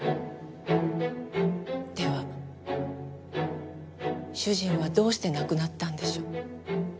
では主人はどうして亡くなったんでしょう？